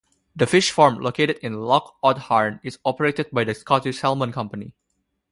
The fish farm located in Loch Odhairn is operated by the Scottish Salmon Company.